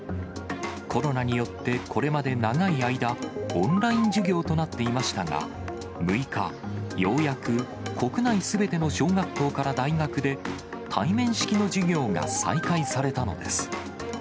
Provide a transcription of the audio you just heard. コロナによって、これまで長い間、オンライン授業となっていましたが、６日、ようやく国内すべての小学校から大学で、対面式の授業が再開されたのです。